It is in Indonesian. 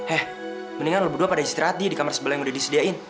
eh mendingan lu berdua pada istirahat dia di kamar sebelah yang udah disediain